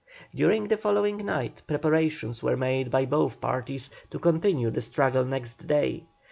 During the following night preparations were made by both parties to continue the struggle next day.